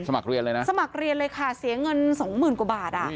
สมัครเรียนเลยนะสมัครเรียนเลยค่ะเสียเงินสองหมื่นกว่าบาทอ่ะ